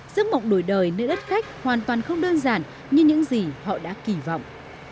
giấc mộng đổi đời nơi đất khách hoàn toàn không đơn giản như những gì họ đã kỳ vọng